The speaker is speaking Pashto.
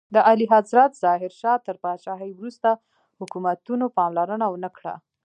د اعلیحضرت ظاهر شاه تر پاچاهۍ وروسته حکومتونو پاملرنه ونکړه.